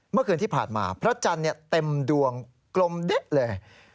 เมื่อคืนที่ผ่านมาพระจันทร์เต็มดวงกลมเด๊ะเลย